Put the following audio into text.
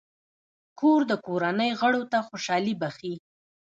کور د کورنۍ غړو ته خوشحالي بښي.